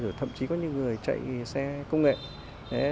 rồi thậm chí có những người chạy xe công nghệ